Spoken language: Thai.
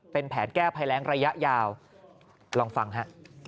เป็นแผนแก้ภัยแรงระยะยาวลองฟังฮะ